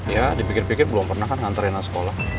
ya dipikir pikir belum pernah kan ngantarin rina sekolah